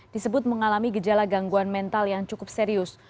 disebut mengalami gejala gangguan mental yang cukup serius